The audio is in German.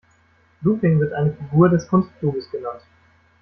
Looping wird eine Figur des Kunstfluges genannt.